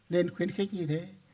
nên khuyến khích như thế